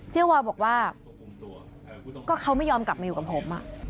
วาวบอกว่าก็เขาไม่ยอมกลับมาอยู่กับผม